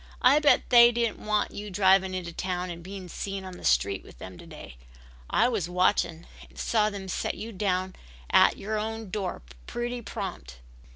I bet they didn't want you driving into town and being seen on the street with them to day. I was watching and saw them set you down at your own door pretty prompt."